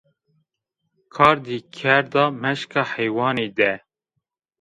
Kardî kerda meşka heywanî de